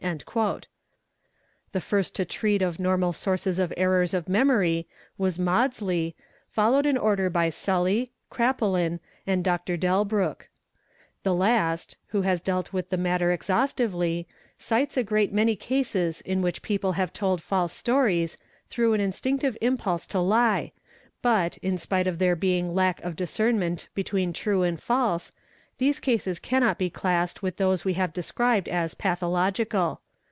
'' The first to treat of normal sources of errors of memory was Maudsley™®, followed in order by Sully", Krdpelin™®, and Dr. Delbriick 9, The last, who has dealt with the matter exhaustively, cites a great many cases in which people have told false stories, through an instinet ive impulse to lie, but, in spite of there being lack of discernment between true and false, these cases cannot be classed with those we have described as " pathological."